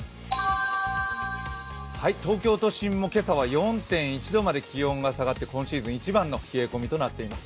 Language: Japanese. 東京都心も今朝は４．１度まで気温が下がって、今シーズン一番の冷え込みとなっています。